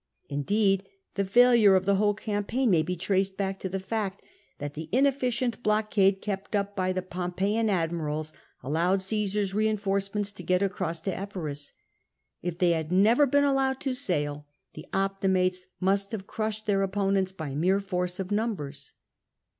Indeed, the failure (5 the whole campaign may be traced back to the fact that the inefficient blockade kept up by the Pompeian admirals allowed Caesar's rein forcements to get across to Epirus. If they had never been allowed to sail, the Optimates must have crushed their opponents by mere force of numbers.